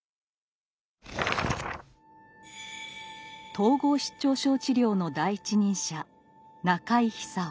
統合失調症治療の第一人者中井久夫。